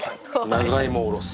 長芋をおろす。